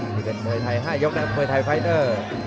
ที่เป็นมวยทาย๕ยกย้ำมวยทายไฟทเตอร์